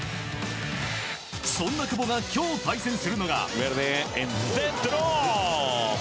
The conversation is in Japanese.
そんな久保が今日対戦するのが。